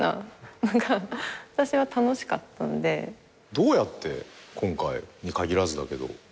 どうやって今回に限らずだけど。